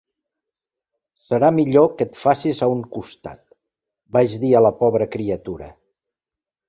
"Serà millor que et facis a un costat", vaig dir a la pobra criatura.